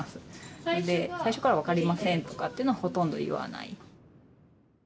最初から分かりませんとかっていうのはほとんど言わない。